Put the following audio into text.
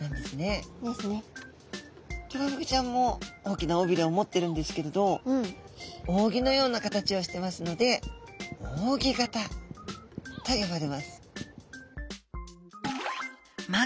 トラフグちゃんも大きな尾びれを持ってるんですけれど扇のような形をしてますので扇形と呼ばれます。